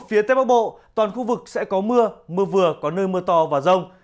phía tây bắc bộ toàn khu vực sẽ có mưa mưa vừa có nơi mưa to và rông